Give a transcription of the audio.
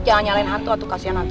jangan nyalain hantu atuh kasian hantu